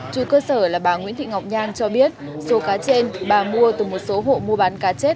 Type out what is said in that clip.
chủ cơ sở là bà nguyễn thị ngọc nhang cho biết số cá trên bà mua từ một số hộ mua bán cá chết